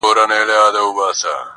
تر کارګه یې په سل ځله حال بتر دی-